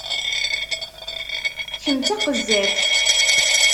Kem d taqezzabt!